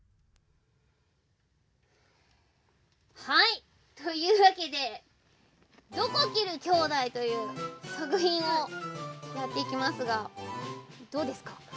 はいというわけで「どこ切るきょうだい」というさくひんをやっていきますがどうですか？